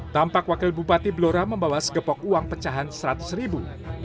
tampak wakil bupati blora membawa segepok uang pecahan seratus ribu